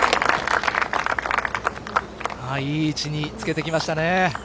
いい位置につけてきましたね。